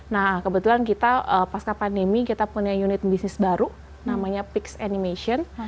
nah kebetulan kita pasca pandemi kita punya unit bisnis baru namanya pix animation